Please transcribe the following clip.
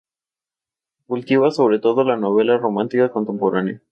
Cultiva sobre todo la novela romántica contemporánea.